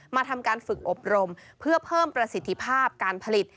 ทำการฝึกอบรมเพื่อเพิ่มประสิทธิภาพการผลิต